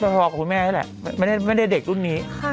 ก็ท้องกับคุณแม่แหละไม่ได้เด็กรุ่นนี้